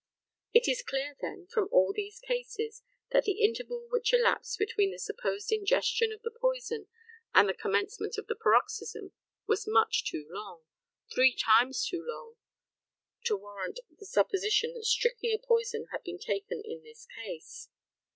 It is clear, then, from all these cases, that the interval which elapsed between the supposed ingestion of the poison and the commencement of the paroxysm was much too long three times too long to warrant the supposition that strychnia poison had been taken in this case.